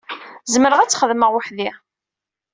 Zemreɣ ad t-xedmeɣ weḥd-i.